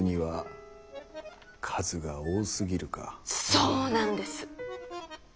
そうなんです！